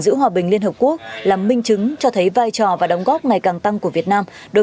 giữ hòa bình liên hợp quốc là minh chứng cho thấy vai trò và đóng góp ngày càng tăng của việt nam đối